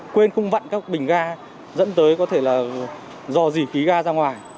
quên khung vặn các bình ga dẫn tới có thể là dò dỉ khí ga ra ngoài